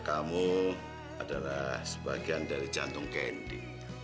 kamu adalah sebagian dari jantung kendi